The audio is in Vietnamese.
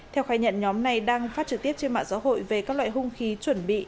theo khai nhận nhóm này đang phát trực tiếp trên mạng xã hội về các loại hung khí chuẩn bị